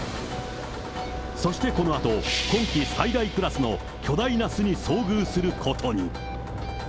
そしてこのあと、今季最大クラスの巨大な巣に遭遇することに。